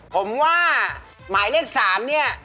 ผมว่าหมายเรียก๓นี่